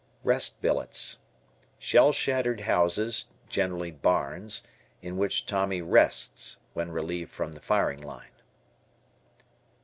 Rest Billets. Shell shattered houses, generally barns, in which Tommy "rests," when relieved from the firing line.